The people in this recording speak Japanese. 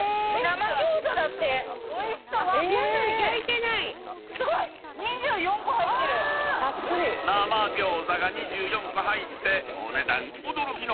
［生餃子が２４個入ってお値段驚きの］